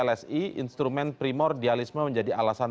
untuk itu perasaan bank